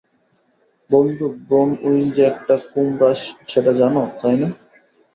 বন্ধু, ব্রোনউইন যে একটা কুমড়া সেটা জানো, তাই না?